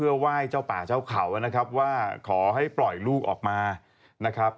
ซึ่งตอน๕โมง๔๕นะฮะทางหน่วยซิวได้มีการยุติการค้นหาที่